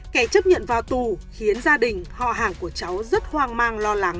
kẻ chấp nhận vào tù khiến gia đình họ hàng của cháu rất hoang mang lo lắng